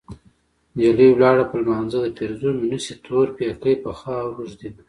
نجلۍ ولاړه په لمانځه ده پېرزو مې نشي تور پيکی په خاورو ږدينه